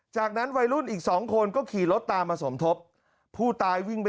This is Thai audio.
จากนั้นวัยรุ่นอีกสองคนก็ขี่รถตามมาสมทบผู้ตายวิ่งไป